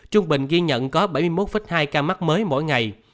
trung bình ghi nhận có bảy mươi một hai ca mắc mới mỗi ngày